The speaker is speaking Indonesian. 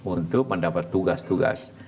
untuk mendapat tugas tugas